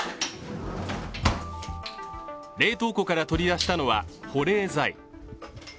冷凍庫から取り出したのは保冷剤。